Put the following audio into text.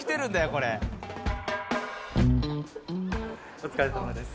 お疲れさまです。